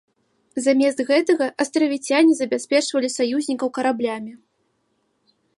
Замест гэтага астравіцяне забяспечвалі саюзнікаў караблямі.